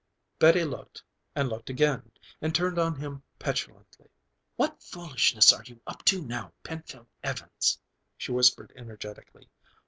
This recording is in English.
Betty looked, and looked again and turned on him petulantly: "What foolishness are you up to now, Penfield Evans!" she whispered energetically.